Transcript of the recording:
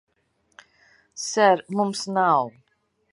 Ser, mums nav...